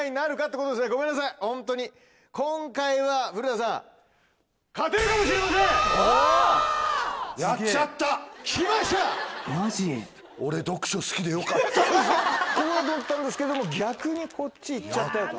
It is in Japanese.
ここだと思ったんですけれども逆にこっち行っちゃったよと。